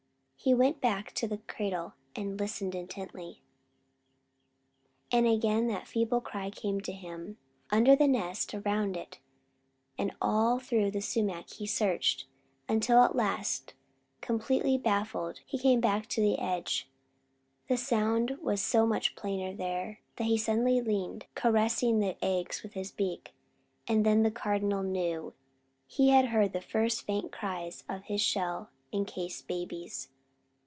He went back to the cradle and listened intently, and again that feeble cry came to him. Under the nest, around it, and all through the sumac he searched, until at last, completely baffled, he came back to the edge. The sound was so much plainer there, that he suddenly leaned, caressing the eggs with his beak; then the Cardinal knew! He had heard the first faint cries of his shell incased babies!